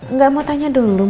nggak mau tanya dulu mau baca